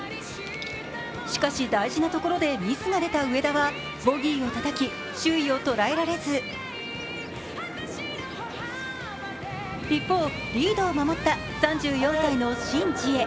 しかし、大事なところでミスが出た上田はボギーをたたき、首位を捉えられず、一方、リードを守った３４歳のシン・ジエ。